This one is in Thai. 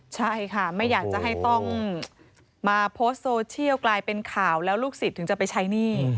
ใช่ค่ะไม่อยากจะให้ต้องมาโพสต์โซเชียลกลายเป็นข่าวแล้วลูกศิษย์ถึงจะไปใช้หนี้